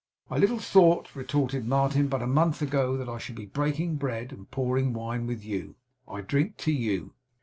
'I little thought,' retorted Martin, 'but a month ago, that I should be breaking bread and pouring wine with you. I drink to you.